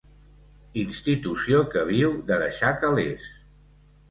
Institució que viu de deixar calés.